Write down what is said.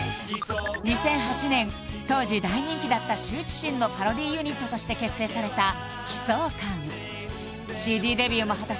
２００８年当時大人気だった羞恥心のパロディユニットとして結成された悲愴感ＣＤデビューも果たし